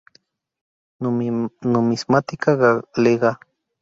Numismática galega.